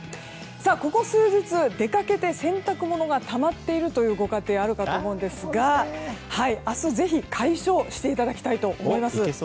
ここ数日、出かけて洗濯物がたまっているというご家庭あるかと思うんですが明日、ぜひ解消していただきたいと思います。